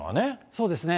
そうですね。